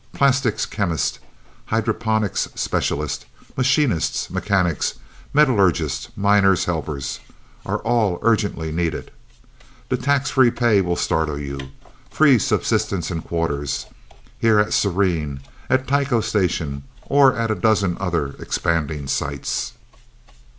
Plastics chemists, hydroponics specialists, machinists, mechanics, metallurgists, miners, helpers all are urgently needed. The tax free pay will startle you. Free subsistence and quarters. Here at Serene, at Tycho Station or at a dozen other expanding sites..."